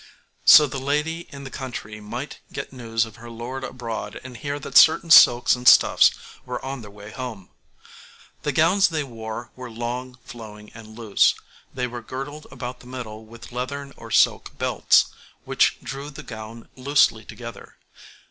So the lady in the country might get news of her lord abroad, and hear that certain silks and stuffs were on their way home. The gowns they wore were long, flowing and loose; they were girded about the middle with leathern or silk belts, which drew the gown loosely together.